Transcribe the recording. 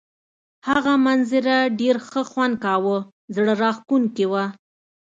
هغه منظره ډېر ښه خوند کاوه، زړه راښکونکې وه.